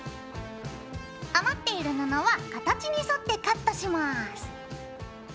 余っている布は形に沿ってカットします。